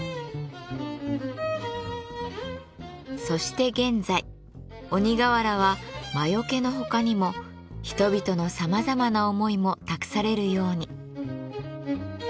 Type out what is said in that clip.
そして現在鬼瓦は魔よけのほかにも人々のさまざまな思いも託されるように。